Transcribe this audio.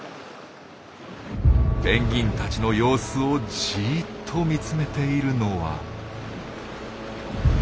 ペンギンたちの様子をじっと見つめているのは。